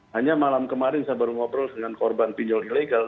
hanya malam kemarin saya baru ngobrol dengan korban pinjol ilegal